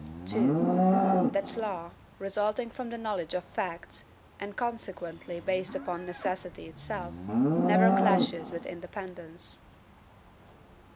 2. That LAW, resulting from the knowledge of facts, and consequently based upon necessity itself, never clashes with independence.